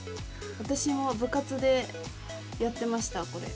私も部活でやってましたこれ。